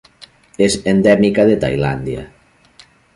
És endèmica de Tailàndia.